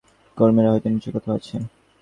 দমকল কর্মীরা হয়তো নিচে কোথাও আছে।